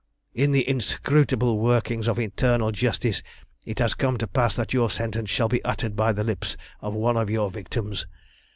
"In the inscrutable workings of Eternal Justice it has come to pass that your sentence shall be uttered by the lips of one of your victims.